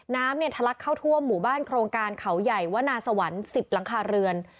น้ำเนี่ยทะลักเข้าทั่วหมู่บ้านโครงการเขาใหญ่วนาสวรรค์๑๐หลังคาเรือน